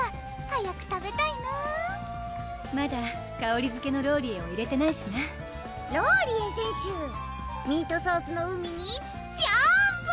早く食べたいなぁまだかおりづけのローリエを入れてないしなローリエ選手ミートソースの海にジャンプ！